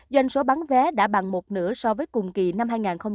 doanh số bán vé đã bằng một nửa so với cùng kỳ năm hai nghìn một mươi chín